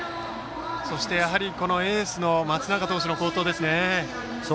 そしてエースの松永投手の好投ですね。